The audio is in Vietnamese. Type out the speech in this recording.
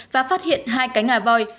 và phát hiện hai cánh hà vòi